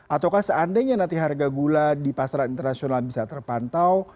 ataukah seandainya nanti harga gula di pasaran internasional bisa terpantau